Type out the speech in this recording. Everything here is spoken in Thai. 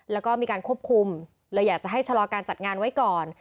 แล้วก็มีการควบคุมเลยอยากจะให้ชะลอการจัดงานไว้ก่อน